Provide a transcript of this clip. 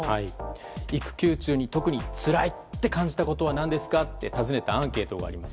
育休中に、特につらいと感じたことは何ですかと尋ねたアンケートがあります。